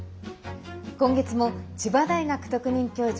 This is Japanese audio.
今月も千葉大学特任教授